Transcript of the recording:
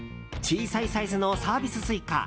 小さいサイズのサービススイカ。